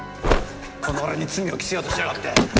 この俺に罪を着せようとしやがって！